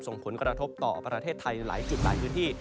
ส่งผลกระทบต่อประเทศไทยหลายจุดหลายพื้นที่